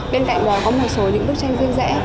bên cạnh đó có một số những bức tranh riêng rẽ